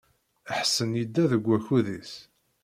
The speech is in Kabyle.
Ḥsen yedda deg wakud-is.